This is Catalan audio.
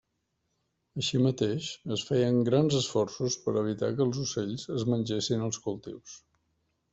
Així mateix, es feien grans esforços per evitar que els ocells es mengessin els cultius.